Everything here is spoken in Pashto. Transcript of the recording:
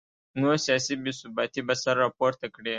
نو سیاسي بې ثباتي به سر راپورته کړي